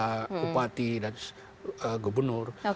kupati dan gubernur